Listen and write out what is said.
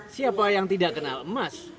siapa yang tidak kenal emas